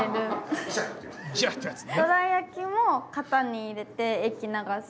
どら焼きも型に入れて液流す。